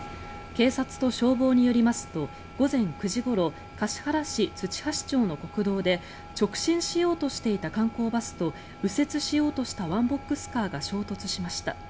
警察と消防によりますと午前９時ごろ橿原市土橋町の国道で直進しようとしていた観光バスと右折しようとしたワンボックスカーが衝突しました。